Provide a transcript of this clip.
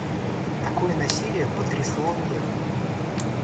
Такое насилие потрясло мир.